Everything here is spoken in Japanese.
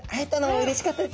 うれしかったです。